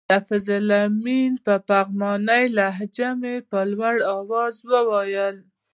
د حفیظ الله آمین په پغمانۍ لهجه مې په لوړ اواز وویل.